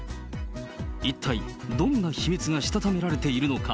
一体、どんな秘密がしたためられているのか。